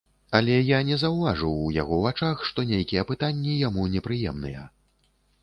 Але я не заўважыў ў яго вачах, што нейкія пытанні яму непрыемныя.